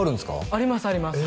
ありますあります